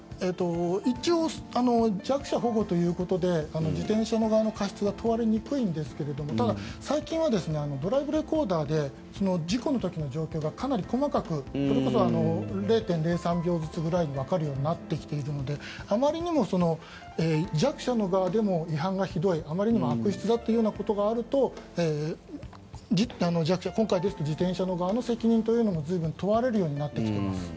一応弱者保護ということで自転車側の過失が問われにくいんですがただ、最近はドライブレコーダーで事故の時の状況がかなり細かくそれこそ０．０３秒ずつぐらいでわかるようになってきてるのであまりにも弱者の側でも違反がひどいあまりにも悪質だというようなことがあると今回ですと自転車側の責任も随分問われるようになってきています。